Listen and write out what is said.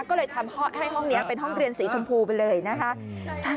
ก็เลยทำให้ห้องนี้เป็นห้องเรียนสีชมพูไปเลยนะคะ